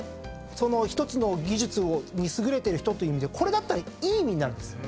その１つの技術に優れてる人という意味でこれだったらいい意味になるんです。